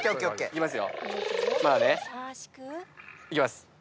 いきます。